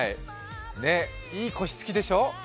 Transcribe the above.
いい腰つきでしょ。